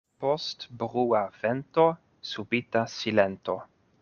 Post brua vento subita silento.